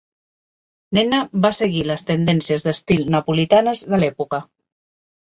Nenna va seguir les tendències d'estil napolitanes de l'època.